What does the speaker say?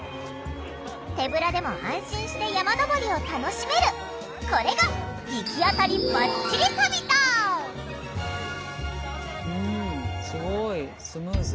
手ぶらでも安心して山登りを楽しめるこれがうんすごいスムーズ。